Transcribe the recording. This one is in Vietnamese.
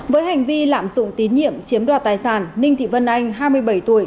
với hành vi lạm dụng tín nhiệm chiếm đoạt tài sản ninh thị vân anh hai mươi bảy tuổi